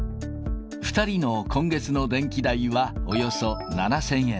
２人の今月の電気代はおよそ７０００円。